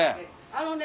あのね。